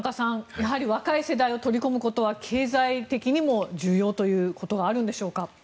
やはり若い世代を取り込むことは経済的にも重要ということがあるんでしょうか。